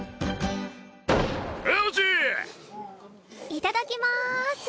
いただきます。